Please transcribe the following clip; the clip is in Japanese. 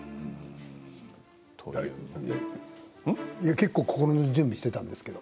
結構、心の準備をしていたんですけど。